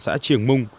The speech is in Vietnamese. xã triều mung